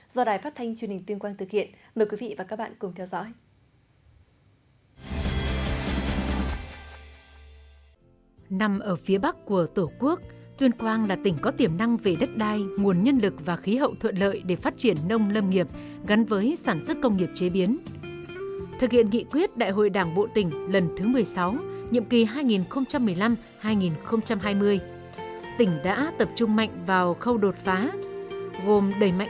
do đài phát thanh truyền hình tuyên quang thực hiện mời quý vị và các bạn cùng theo dõi